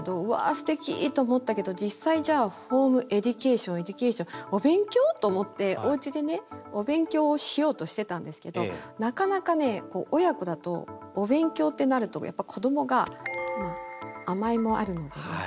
うわ素敵と思ったけど実際じゃあホームエデュケーションエデュケーションお勉強？と思っておうちでねお勉強をしようとしてたんですけどなかなかね親子だとお勉強ってなるとやっぱ子どもが甘えもあるので。